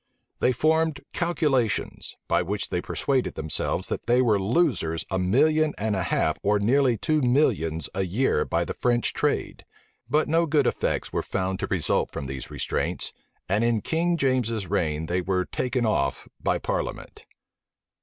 They formed calculations, by which they persuaded themselves that they were losers a million and a half or near two millions a year by the French trade. But no good effects were found to result from these restraints, and in King James's reign they were taken off by parliament.